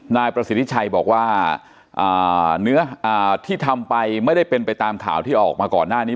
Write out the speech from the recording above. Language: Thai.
นายประสิทธิชัยบอกว่าเนื้อที่ทำไปไม่ได้เป็นไปตามข่าวที่ออกมาก่อนหน้านี้